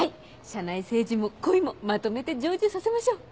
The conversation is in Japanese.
社内政治も恋もまとめて成就させましょう。